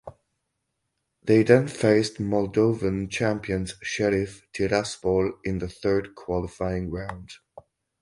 They then faced Moldovan champions Sheriff Tiraspol in the third qualifying round.